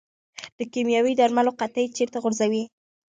د کیمیاوي درملو قطۍ چیرته غورځوئ؟